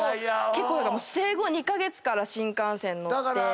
結構だから生後２カ月から新幹線乗って。